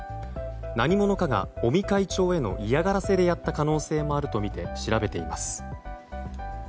何者かが尾身会長への嫌がらせでやった可能性もあるとみて調べています。